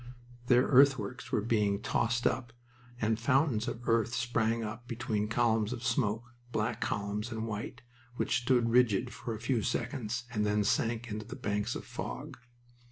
Their earthworks were being tossed up, and fountains of earth sprang up between columns of smoke, black columns and white, which stood rigid for a few seconds and then sank into the banks of fog.